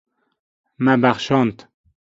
Me bexşand.